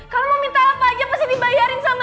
kalo mau minta apa aja pasti dibayarin sama dia